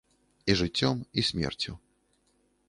І жыццём, і смерцю.